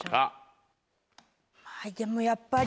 でもやっぱり。